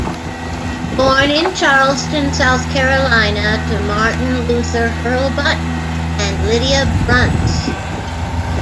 Born in Charleston, South Carolina to Martin Luther Hurlbut and Lydia Bunce.